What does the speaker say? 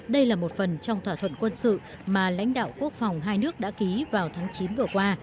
đây là một phần trong thỏa thuận quân sự mà lãnh đạo quốc phòng hai nước đã ký vào tháng chín vừa qua